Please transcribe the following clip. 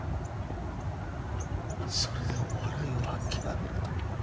それでお笑いを諦めると。